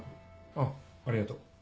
・あっありがとう。